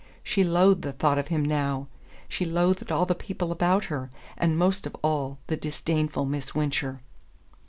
She loathed the thought of him now: she loathed all the people about her, and most of all the disdainful Miss Wincher.